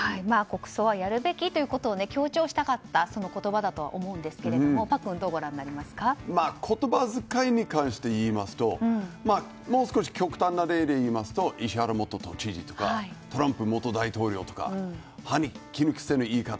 国葬はやるべきということを強調したかったその言葉だと思うんですけど言葉遣いに関して言いますともう少し極端な例ですと石原元都知事とかトランプ元大統領とか歯に衣着せぬ言い方